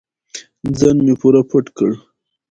ځان مې پوره پټ کړ.